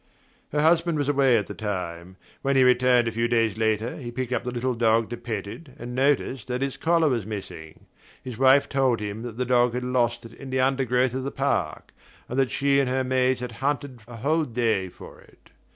Her husband was away at the time. When he returned a few days later he picked up the little dog to pet it, and noticed that its collar was missing. His wife told him that the dog had lost it in the undergrowth of the park, and that she and her maids had hunted a whole day for it.